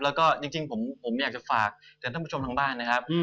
แล้วก็จริงผมอยากจะฝากท่านผู้ชมทางบ้านนะครับ